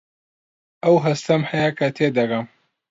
ئەو هەستەم هەیە کە تێدەگەم.